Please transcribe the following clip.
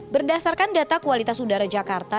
berdasarkan data kualitas udara jakarta